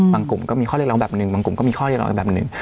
กลุ่มก็มีข้อเรียกร้องแบบหนึ่งบางกลุ่มก็มีข้อเรียกร้องอีกแบบหนึ่ง